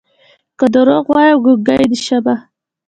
که دروغ وايم ګونګې دې شمه